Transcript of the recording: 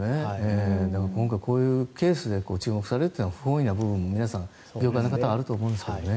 今回、こういうケースで注目されるのは不本意な部分も業界の方もあると思いますけど。